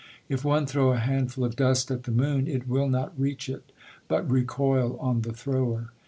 If one throw a handful of dust at the moon, it will not reach it, but recoil on the thrower.